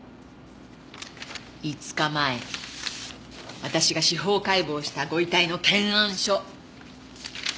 ５日前私が司法解剖したご遺体の検案書。